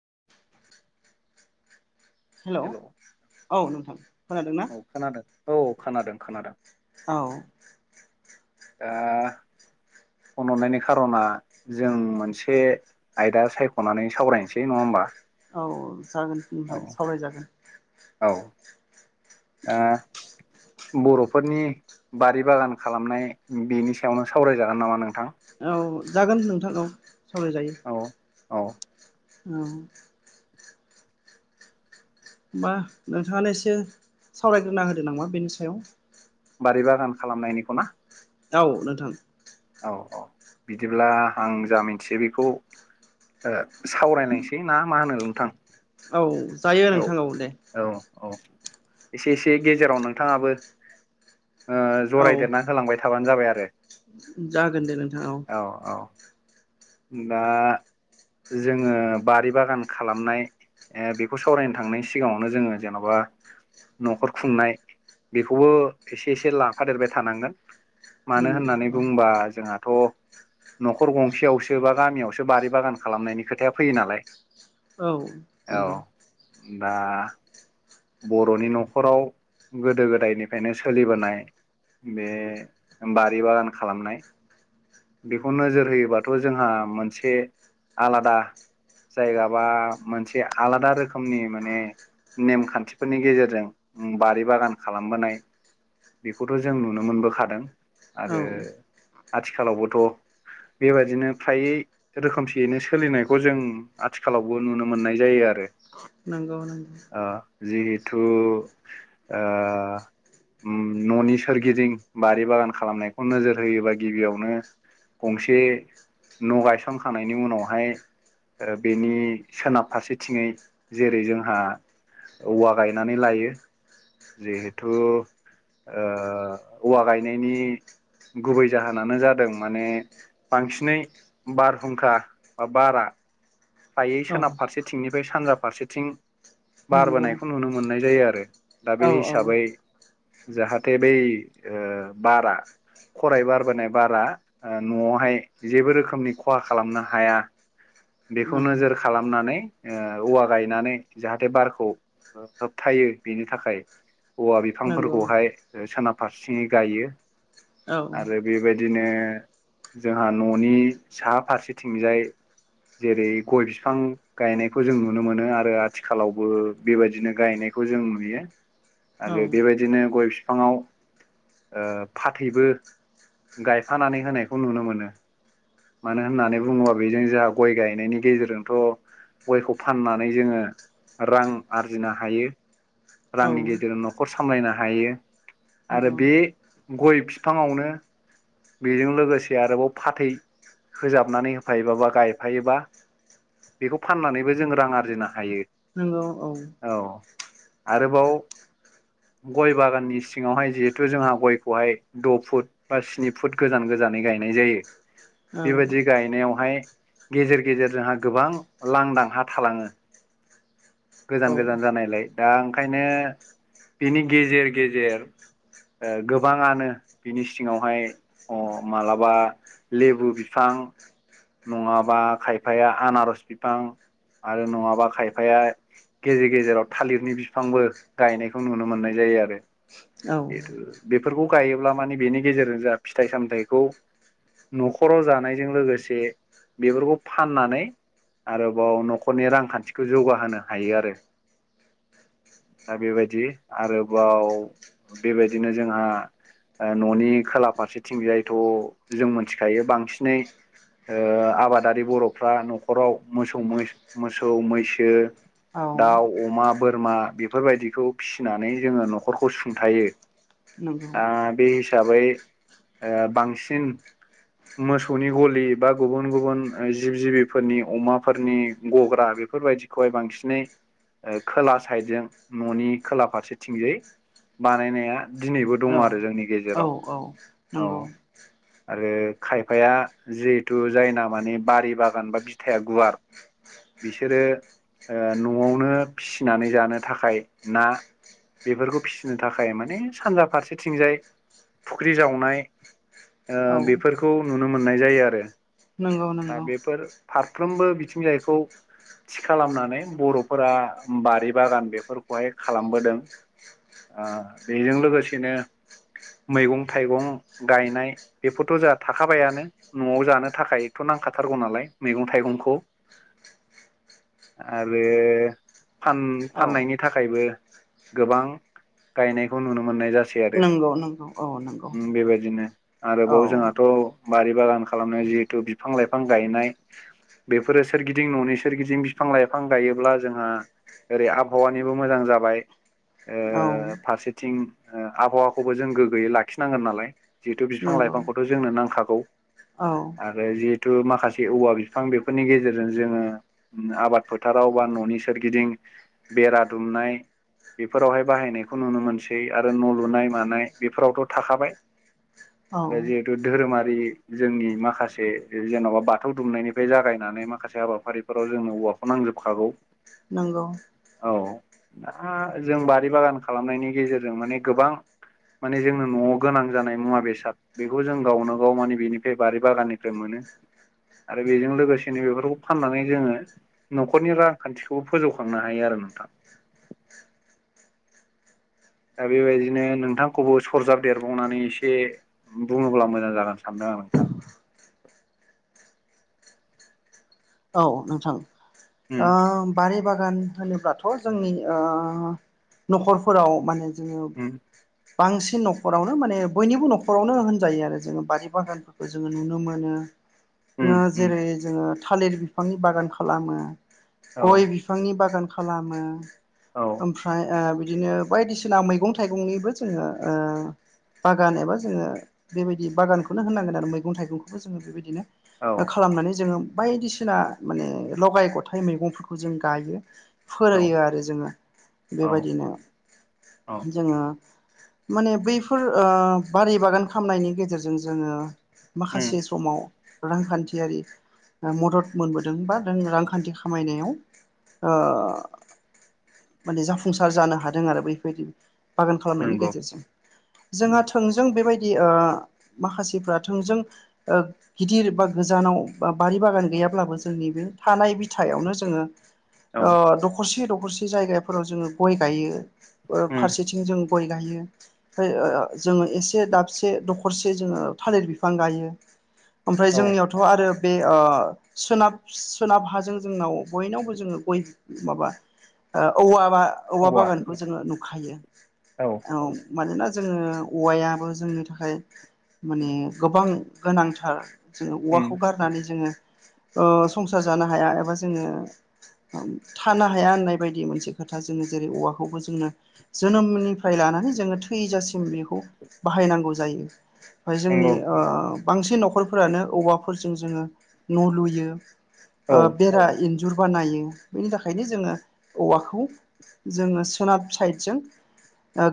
[unintelligible] हेल' औ नोंथां खोनादों ना खोनादों औ खोनादों खोनादों औ दा फनहरनायनि खार'ना जों मोनसे आयदा सायख'नानै सावरायसै नङा हबा औ औ जागोनफ्राय सावरायजागोन औ आ बर'फोरनि बारि बागान खालामनाय बेनि सायावनो सावरायजागोन नामा नोंथां औ जागोन नोंथां औ सावरायजायो औ औ औ हा नोंथाङानो एसे सावरायग्रोना होदो नामामा बेनि सायाव बारि बागान खालामनायनिखौ ना औ नोंथां औ औ बिदिब्ला आं जा मिथियो बेखौ सावरायनायसै ना मा होनो नोंथां औ जायो औ नोंथां दे औ औ एसे एसे गेजेराव नोंथाङाबो औ जरायदेरना होलांबाय थाबानो जाबाय आरो जागोन दे नोंथाङाव द दा जोङो बारि बागान खालामनाय बेखौ सावरायनो थांनायनि सिगाङावनो जोङो जेन'बा न'खर खुंनाय बेखौबो एसे एसे लाफादेरबाय थानांगोन मानो नंगौ होननानै बुंबा जोंहाथ' न'खर गंसेयावसो सोरोबा गामियावसो बारि बागान खालामनायनि खोथाया फैयो नालाय औ औ दा बर'नि न'खराव गोदो गोदायनिफ्रायनो सोलिबोनाय बे बारि बागान खालामनाय बेखौ नोजोर होयोबाथ' जोंहा मोनसे आलादा जायगाबा मोनसे आलादा रोखोमनि माने नेमखान्थि खथिफोरनि गेजेरजों बारि बागान खालामबोनाय बेखौथ' जों नुनो मोनबोखादों औ आरो आथिखालावबोथ' बेबायादिनो फ्रायै रोखोमसेयैनो सोलिनायखौ जों आथिखालावबो नुनो मोननाय जायो आरो नंगौ नांगौ ओ जिहेथु न'नि सोरगिदिं बारि बागान खालामनायखौ नोजोर होयोबा गिबियावनो गंसे न' गायसनखांनायनि उनावहाय बेनि सोनाब फारसेथिङै जेरै जोंहा औवा गायनानै लायो जिहेथु औवा गायनायनि गुबै जाहोनानो जादों माने बांसिनै बारहुंखा बा बारआ फ्रायै नंगौ सोनाब फारसेथिंनिफ्राय सानजा फारसेथिं नंगौ बारबोनायखौ नुनो मोननाय जायो आरो दा औ नंगौ बे औ औ हिसाबै जाहाथे बै बारा खरायाइ बारबोनाय बारा न'आवहाय जेबो रोखोमनि खहा खालामनो हाया बेखौ औ नोजोर खालामनानै औवा गायनानै जाहाथे बारखौ होबथायो बेनि थाखाय औवा नंगौ बिफांफोरखौहाय सोनाब फारसेङै गायो औ आरो बेबायदिनो जोंहा न'नि सा फारसेथिंजाय जेरै गय बिफां गायनायखौ जों नुनो मोनो आरो आथिखालावबो बेबायदिनो गायनायखौ जों नुयो औ आरो बेबायदिनो गय बिफाङाव फाथैबो गायफानानै होनायखौ नुनो मोनो मानो होननानै बुङोबा बेजों जोंहा गय गायनायनि गेजेरजोंथ' गयखौ फाननानै जोङो रां आरजिनो हायो औ रांनि गेजेरजों न'खर सामलायनो हायो आरो नंगौ बे गय बिफाङावनो बेजों लोगोसे आरोबाव फाथै होजाबनानै होफायोबाबा गाय थफायोबा बेखौ फाननानैबो जों रां आरजिनो हायो नंगौ औ आरोबाव गय बागाननि सिङावहाय जिहेथु जोंहा गयखौहाय द' फुट बा स्नि फुट गोजान गोजान गोजानै गायनाय जायो बेबायदि गायनायावहाय गेजेर गेजेर जोंहा गोबां लांदांहा थालाङो औ गोजान गोजान जानायलाय दा ओंखायनो बेनि गेजेर गेजेर गोबाङानो बिनि सिङावहाय अ माब्लाबा लेबु बिफां नङाबा खायफाया आनारज बिफां आरो नङाबा खायफाया गेजेर गेजेराव थालिरनि बिफांबो गायनायखौ नुनो मोननाय जायो आरो औ बेथ' बेफोरखौ गायोब्ला माने बेनि गेजेरजों जोंहा फिथाइ सामथायाइखौ न'खराव जानायजों लोगोसे बेफोरखौ फाननानै आरोबाव न'खरनि रांखान्थिखौ जौगाहोनो हायो आरो दा बेबायदि आरोबाव बेबायदिनो जोंहा न'नि खोला फारसेथिंजायथ' जों मोनथिखायो बांसिनै आबादारि बर'फ्रा न'खराव मोसौ मोसौ मैसो औ दाउ अमा बोरमा बेफोरबायदिखौ फिसिनानै जोङो न'खरखौ सुंथायो नंगौ दा बे हिसाबै बांसिन मोसौनि गलि बा गुबुन गुबुन जिब जिबिफोरनि अमाफोरनि गग्रा बे बेफोरबायदिखौहाय बांसिनै खोला साइदजों न'नि खोला फारसेथिंजाय बानायनाया दिनैबो औ दङ आरो जोंनि औ गेजेराव औ औ नंगौ आरो खायफाया जिहेथु जायना माने बारि बागान बा बिथाया गुवार बिसोरो न'आवनो फिसिनानै जानो थाखाय ना बेफोरखौ फिसिनो थाखाय माने सानजा फारसेथिंजाय फुख्रि जावनाय औ बेफोरखौ नुनो मोननाय जायो आरो नंगौ दा नंगौ बेफोर फारफ्रोमबो बिथिंजायखौ थि खालामनानै बर'फोरा बारि बागान बेफोरखौहाय खालामबोदों बेजों लोगोसेनो मैगं थाइगं गायनाय बेफोरथ' जोंहा थाखाबायानो न'आव जानो थाखायथ'ना नांखाथारगौ नालाय मैगं थाइगंखौ आरो फान औ फाननायनि थाखायबो गोबां गायनायखौ नुनो मोननाय जास आरो नंगौ नंगौ औ नंगौ बेबायदिनो औ आरोबाव जोंहाथ' बारि बागान खालामनायाव जिहेथु बिफां लाइफां गायनाय बेफोरो सोरगिदिं न'नि सोरगिदिं बिफां लाइफां बिफां गायोब्ला जोंहा ओरै आबहावानिबो मोजां जाबाय औ फारसेथिं आबहावाखौबो जों गोग्गोयै लाखिनांगोन नालाय जिहेथु बिफां नंगौ लाइफांखौथ' जोंनो नांखागौ औ आरो जिहेथु माखासे औवा बिफां बेफोरनि गेजेरजों जोङो आबाद फोथाराव बा न'नि सोरगिदिं बेरा दुमनाय बेफोरावहाय बाहायनायखौ नुनो मोनसै आरो न' लुनाय मानाय बेफोरावथ' थाखाबाय औ आरो जिहेतु धोरोमारि जोंनि माखासे जेन'बा बाथौ दुमनायनिफ्राय जागायनानै माखासे हाबाफारिफोराव जोंङो औवाखौ नांजोबखागौ नंगौ औ दा जों बारि बागान खालामनायनि गेजेरजों माने गोबां माने जोंनो न'आव गोनां जानाय मुवा बेसाद बेखौ जों गावनो गाव माने बेनिफ्राय बारि बागाननिफ्राय मोनो आरो बेजों लोगोसेनो बेफोरखौ फाननानै जोङो न'खरनि रांखान्थिखौबो फोजौखांनो हायो आरो नोंथां दा बेबायदिनो नोंथांखौबो सरजाब देरबावनानै एसे बुङोब्ला मोजां जागोन सानदों औ नोंथां औ नोंथां उम बारि बागान होनोबाथ' जोंनि न'खरफोराव मान जोङो उम बांसिन न'खरावनो माने बयनिबो न'खरावनो होनजायो आरो जोङो बारि बागानफोरखौ जोङो नुनो मोनो उम उम जेरै जोङो थालिर बिफांनि बागान खालामो औ गय बिफांनि बागान खालामो औ ओमफ्राय बि बिदिनो बायदिसिना मैगं थाइगंनिबो जोङो बागान एबा जोङो बेबायदि बागानखौनो होननांगोन आरो मैगं थाइगंखौबो जोङो औ बेबायदिनो खालामनानै जोङो बायदिसिना माने लगाय गथाइ मैगंफोरखौ जों गायो औ फोरोयो आरो जोङो औ बेबायदिनो औ जोङो माने बैफोर ओ बारि बागान खालामनायनि गेजेरजों जोङो उम माखासे समाव रांखान्थियारि मदद मोनबोदों बा जों रांखान्थि खामायनायाव ओ माने जाफुंसार जानो हादों आरो बेबायदि बागान खालामनायनि नंगौ गेजेरजों जोंहा उम थोंजों बेबाय दि ओ माखासेफोरा थोंजों ओ गिदिर बा गोजानाव बा बारि बागान गैयाब्लाबो जोंनि बे थानाय बिथायावनो जोङो औ ओ दखरसे द खरसे जायगाफोराव जोङो गय गायो उम फारसेथिं जों गय गायो फ्राय जोङो एसे दाबसे दखरसे जोङो थालिर बिफां गायो [inaudible] ओमफ्राय जोंनियावथ' आरो बे ओ सोनाब सोनाब हाजों जोंनाव बयनावबो जोङो गय माबा ओ औवा बा औवा बागानखौ जोङो नुखायो औ मानोना जोङो औवायाबो जोंनि थाखाय माने गोबां गोनांथार जोङो उम औवाखौ गार जोङो ओ संसार जानो हाया एबा जोङो थानो हाया होननाय बायदि मोनसे खोथा जोङो जेरै औवाखौबो जोंङो जोनोमनिफ्राय ला नानै जोङो थैजासिम बेखौ बाहायनांगौ जायो ओमफाय जोंनि नंगौ बांसिन न'खरफोरानो औवाफोरजों जोङो न' लुयो औ ओ बेरा इन्जुर बानायो बेनि थाखायनो जोङो औवाखौ जोङो सोनाब साइडजों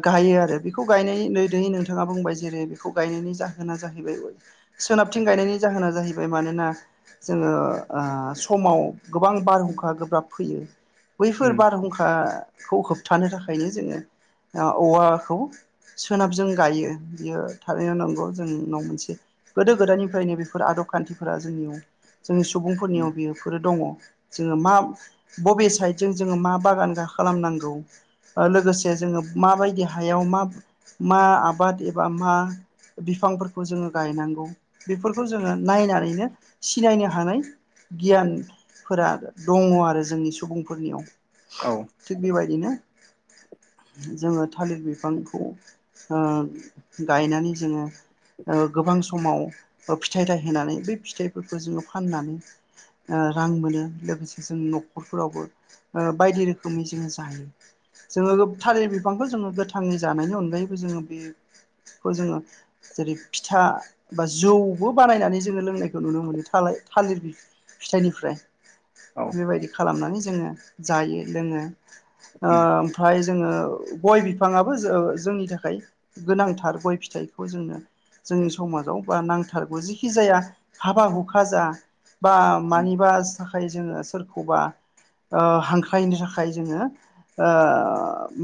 गायो आरो बेखौ गायनायै दैै नोंथाङा बुंबाय जेरै बेखौ गायनायनि जाहोना जाहैबाय सोनाबथिं गायनायनि जाहोना जाहै मानोना जोङो ओ समाव गोबां बारहुंखा गोब्राब फैयो बैफोर उम बारहुंखाखौ होबथानो थाखायनो जोङो औवाखौ सोनाबजों गायो बियो थारैनो नंगौ जोंनाव मोनसे गोदो गोदायनिफ्रायनो बेफोर आदब खान्थिफोरा जोंनियाव जोंनि उम सुबुंफोरनियाव बेयोफोरो दङ जोङो मा बबे साइडजों जोङो मा बागान खालामनांगौ लोगोसे जोङो माबायदि हायाव मा मा आबाद एबा मा बिफांफोरखौ जोङो गायनांगौ बेफोरखौ जोङो नायनानैनो सिनायनो हानाय गियानफोरा दङ आरो जोंनि सुबुंफोरनियाव औ थिग बेबायदिनो जोङो थालिर बिफांखौ ओ गायनानै जोङो ओ गोबां समाव फिथाइ थाइ होनानै बै फिथाइफोरखौ जोङो फाननानै ओ रां मोनो लोगोसे जों न'खरफोरावबो ओ बायदि रोखोमै जोङो जायो जोङो थालिर बिफांखौ जोङो गोथाङै जानायनि अनगायैबो जोङो बे खौ जोङो जेरै फिथा बा जौबो बानायनानै जोङो लोंनायखौ नुनो मोनो थालिर फिथाइनिफ्राय औ बेबायदि खालामनानै जों जायो लोङो ओ उम ओमफ्राय जोङो गय बिफाङाबो जोंनि थाखाय गोनांथार गय फिथाइखौ जोंनो जोंनि समाजाव बा नांथारगौ जि खि जाया हाबा हुखा जा बा उम मानिबा थाखाय जोङो सोरखौबा ओ हांख्रायनो थाखाय जोङो ओ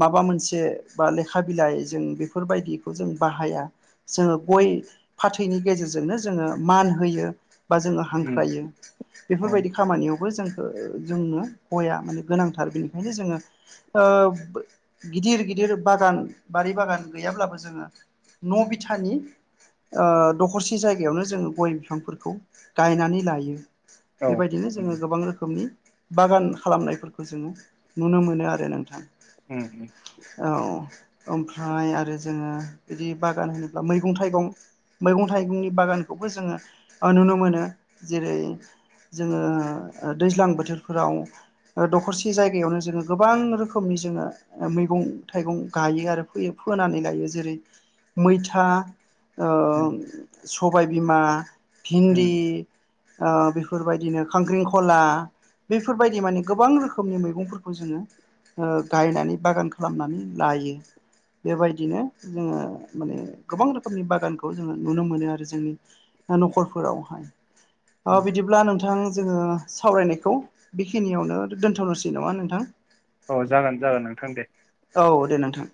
माबा मोनसे बा लेखा बिलाइ जों बेफोरबायदिखौ जों बाहाया जोङो गय फाथैनि गेजेरजोंनो जोङो मान होयो बा जोङो उम हांख्रायो औ बेफोरबायदि खामानियावबो जों जोंनो गया माने गोनांथार बेनिखायनो जोङो ओ गिदिर गि दिर बागान बारि बागान गैयाब्लाबो जोङो न' बिथानि आ दखरसि जाय बेयावनो जोङो गय बिफांफोरखौ गायनानै लायो औ बेबायदिनो उम जोङो गोबां रोखोमनि बागान खालामनायफोरखौ जोङो नुनो मोनो आरो नोंथां उम औ ओमफ्राय आरो जोङो बिदि बागान होनोब्ला मैगं थाइगं मैगं थाइगंनि बागानखौबो जोङो नुनो मोनो जेरै जोङो दैज्लां बोथोरफोराव दखरसे जायगायावनो जोङो गोबां रोखोमनि जोङो मैगं थाइगं गायो आरो फोयो फोनानै लायो जेरै मैथा ओ उम सबायबिमा उम भिन्दि आ बेफोरबायदिनो खांख्रिंखला बेफोरबायदि माने गोबां रोखोमनि मैगंफोरखौ जोङो ओ गायनानै बागान खालामनानै लायो बेबायदिनो जोङो माने गोबां रोखोमनि बागानखौ जोङो नुनो मोनो आरो जोंनि न'खरफोरावहाय ओ उम बिदिब्ला नोंथां जोङो सावरायनायखौ बेखिनियावनो दोनथ'नोसै नङा नोंथां औ जागोन जागोन नोंथां दे औ दे नोंथां